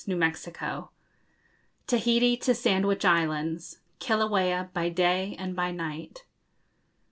CHAPTER XV. TAHITI TO SANDWICH ISLANDS. KILAUEA BY DAY AND BY NIGHT.